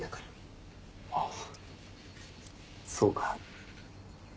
あそうか。